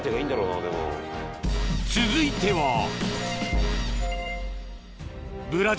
［続いては］